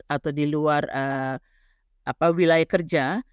atau di luar wilayah kerja